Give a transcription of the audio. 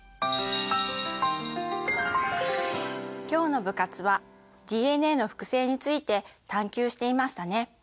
今日の部活はＤＮＡの複製について探究していましたね。